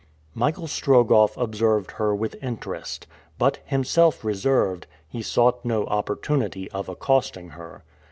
Michael Strogoff observed her with interest, but, himself reserved, he sought no opportunity of accosting her.